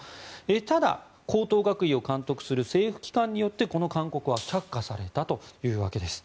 ただ、高等学位を監督する政府機関によってこの勧告は却下されたというわけです。